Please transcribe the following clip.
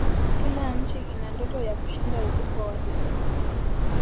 kila nchi ina ndoto ya kushinda ubingwa wa dunia